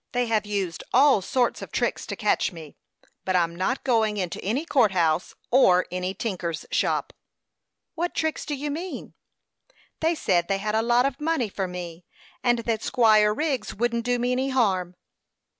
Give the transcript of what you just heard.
They have used all sorts of tricks to catch me; but I'm not going into any court house, or any tinker's shop." "What tricks do you mean?" "They said they had a lot of money for me, and that Squire Wriggs wouldn't do me any harm."